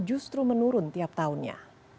justru menurun tiap tahunnya